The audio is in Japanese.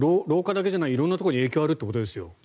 老化だけじゃな色んなところに影響があるということですよ。